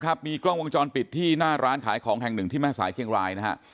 ครับมีกล้องวงจรปิดที่หน้าร้านขายของแห่งหนึ่งที่แม่สายเชียงรายนะฮะ